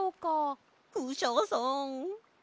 クシャさん。